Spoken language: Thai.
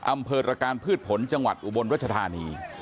อำเภอตรการพืชผลจังหวัดอุบลรัชธานี